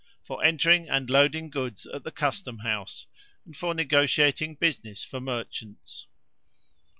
For entering and loading goods at the Custom house, and for negotiating business for merchants.